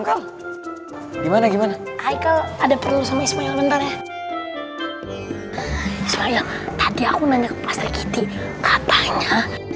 dimana gimana hai kalau ada perlu sama ismail bentar ya tadi aku nanya pasal gini katanya